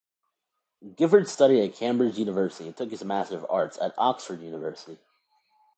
Giffard studied at Cambridge University and took his master of arts at Oxford University.